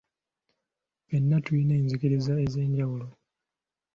Ffenna tulina enzikiriza ez'enjawulo.